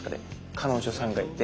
彼女さんがいて。